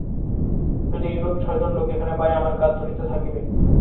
যদি এইরূপ ছয়জন লোক এখানে পাই, আমার কাজ চলিতে থাকিবে।